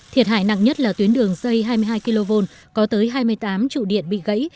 thiệt hại nặng nhất là tuyến đường dây hai mươi hai kv có tới hai mươi tám trụ điện bị gãy